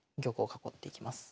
囲っていきます。